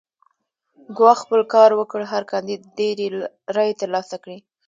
ګواښ خپل کار وکړ هر کاندید ډېرې رایې ترلاسه کړې.